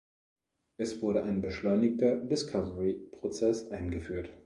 Es wurde ein beschleunigter Discovery-Prozess eingeführt.